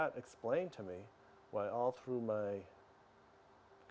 mengapa selama sejarah saya